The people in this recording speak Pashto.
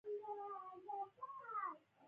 بدرنګه سترګې له شره ډکې وي